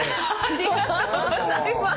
ありがとうございます。